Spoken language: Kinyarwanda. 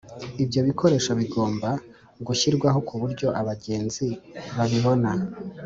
Ibyo bikoresho bigomba gushyirwaho ku buryo abagenzi babibona